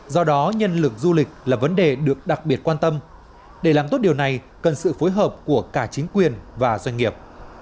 do đó nhân lực du lịch là vấn đề được đặc biệt quan tâm để làm tốt điều này cần sự phối hợp của cả chính quyền và doanh nghiệp